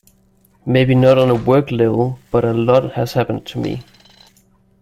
Maybe not on a work level, but a lot has happened to me.